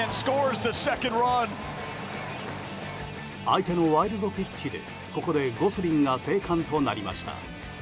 相手のワイルドピッチでここでゴスリンが生還となりました。